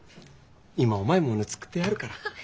今うまいもの作ってやるから。